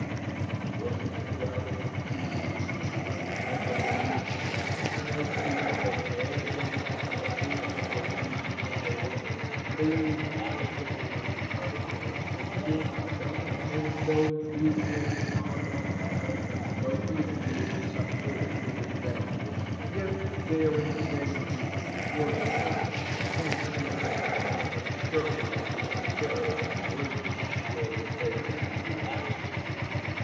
But from this embarrassment Phebe in a great measure relieved him, by stating that all those who saw poor Edward leap from the loft believed at the moment that he must have killed himself ; and though his hating gone out of sight had certainly created some hope within Ihem, yet their anxiety was such when she left them as certainly to prepare them greatly for the fatal news.